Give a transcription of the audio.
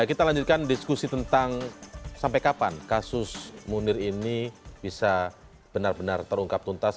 kita lanjutkan diskusi tentang sampai kapan kasus munir ini bisa benar benar terungkap tuntas